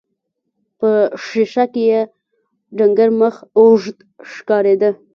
په ښيښه کې يې ډنګر مخ اوږد ښکارېده.